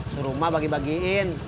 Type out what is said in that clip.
suruh ma bagi bagiin